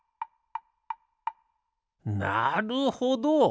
なるほど！